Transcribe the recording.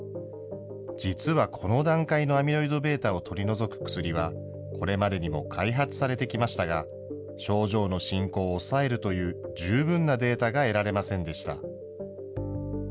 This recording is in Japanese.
実はこの段階のアミロイドβを取り除く薬は、これまでにも開発されてきましたが、症状の進行を抑えるという十分なデータが得られませんでした。